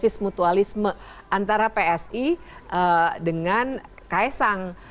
simbiosis mutualisme antara psi dengan ksang